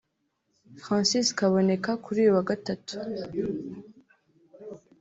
Francis Kaboneka kuri uyu wa Gatatu